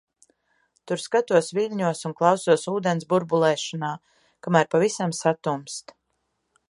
Tur skatos viļņos un klausos ūdens burbulēšanā, kamēr pavisam satumst.